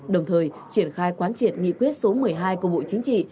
đồng thời triển khai quán triệt nghị quyết số một mươi hai của bộ chính trị